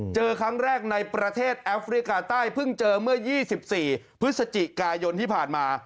เจอครั้งแรกในประเทศแอฟริกาใต้เพิ่งเจอเมื่อ๒๔พฤศจิกายนที่ผ่านมา